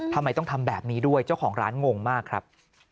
ทำไมต้องทำแบบนี้ด้วยเจ้าของร้านงงมากครับ